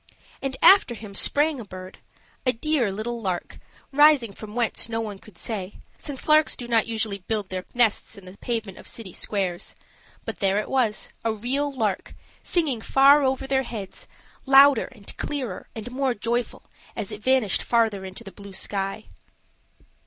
And after him sprang a bird a dear little lark, rising from whence no one could say, since larks do not usually build their nests in the pavement of city squares. But there it was, a real lark, singing far over their heads, louder and clearer and more joyful as it vanished further into the blue sky.